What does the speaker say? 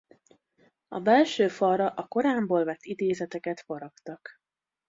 A belső falra a Koránból vett idézeteket faragtak.